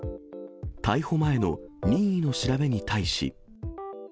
逮捕前の任意の調べに対し。